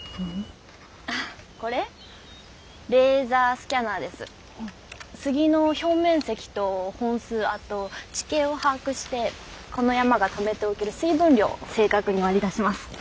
スギの表面積と本数あと地形を把握してこの山がためておける水分量を正確に割り出します。